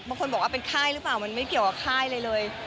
บางคนบอกว่าเป็นค่ายหรือเปล่ามันไม่เกี่ยวกับค่ายอะไรเลย